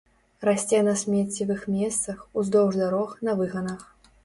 Расце на смеццевых месцах, уздоўж дарог, на выганах.